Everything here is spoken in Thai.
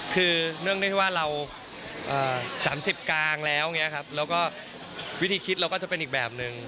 คือเนื่องถึงว่าเรา๓๐กลางแล้วแล้วก็วิธีคิดจะเป็นอีกแบบนึง